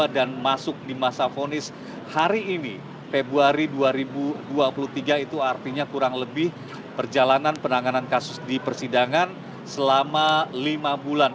dan masuk di masa ponis hari ini februari dua ribu dua puluh tiga itu artinya kurang lebih perjalanan penanganan kasus di persidangan selama lima bulan